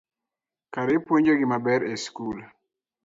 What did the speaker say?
Kare ipuonjogi maber e sikul